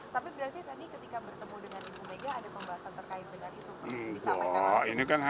tapi berarti tadi ketika bertemu dengan ibu mega ada pembahasan terkait dengan itu pak